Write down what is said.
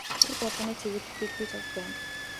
Тэр болгоныг цэвэрлэх гэж би зовж байна.